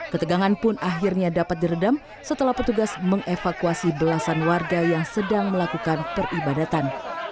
ketegangan pun akhirnya dapat diredam setelah petugas mengevakuasi belasan warga yang sedang melakukan peribadatan